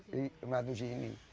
dibantu di sini